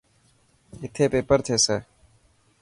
اٿي پيپر ٿيسي.